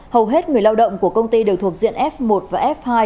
hầu hết người lao động của công ty đều thuộc diện f một và f hai